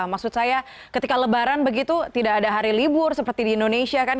maksud saya ketika lebaran begitu tidak ada hari libur seperti di indonesia kan